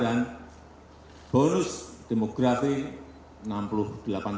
dan bongkaknya juga terlaksana dan